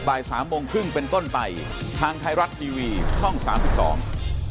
บ่ายสามโมงครึ่งเป็นต้นไปทางไทยรัฐทีวีช่องสามสิบสอง